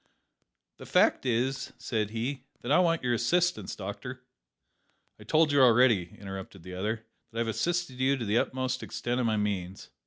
"The fact is," said he, "that I want your assistance, doctor " "I told you already," interrupted the other, "that I have assisted you to the utmost extent of my means."